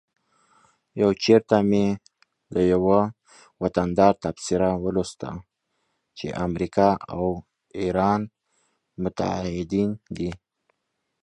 یو چیرته مې د یوه وطندار تبصره ولوسته چې امریکا او ایران متعهدین دي